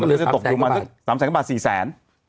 มันจะตกถูกมา๓แสนกว่าบาท๔แสน